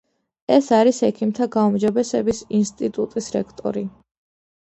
ის არის ექიმთა გაუმჯობესების ინსტიტუტის რექტორი.